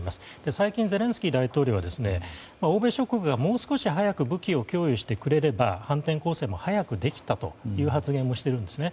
最近、ゼレンスキー大統領は欧米諸国がもう少し早く武器を供与してくれれば反転攻勢も早くできたという発言をしているんですね。